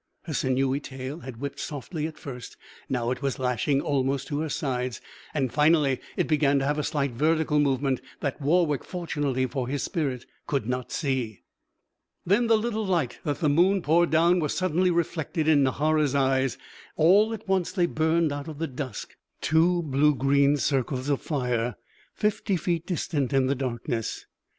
Her sinewy tail had whipped softly at first; now it was lashing almost to her sides. And finally it began to have a slight vertical movement that Warwick, fortunately for his spirit, could not see. Then the little light that the moon poured down was suddenly reflected in Nahara's eyes. All at once they burned out of the dusk; two blue green circles of fire fifty feet distant in the darkness.